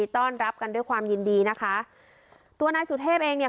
ต้อนรับกันด้วยความยินดีนะคะตัวนายสุเทพเองเนี่ย